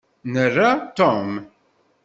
Nra Tom.